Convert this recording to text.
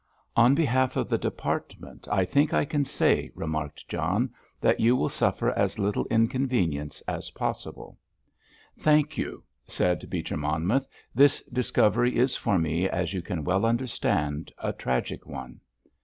"On behalf of the department I think I can say," remarked John, "that you will suffer as little inconvenience as possible." "Thank you," said Beecher Monmouth. "This discovery is for me, as you can well understand, a tragic one."